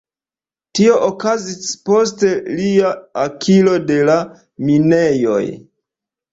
Tio okazis post lia akiro de la minejoj.